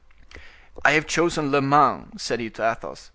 "I have chosen Le Mans," said he to Athos.